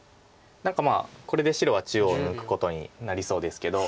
何かまあこれで白は中央を抜くことになりそうですけど。